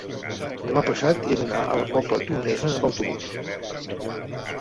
Demà passat he d'anar a la Pobla Tornesa amb autobús.